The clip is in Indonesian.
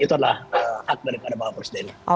itulah hak daripada bapak presiden